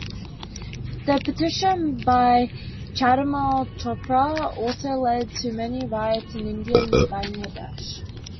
The petition by Chandmal Chopra also led to many riots in India and Bangladesh.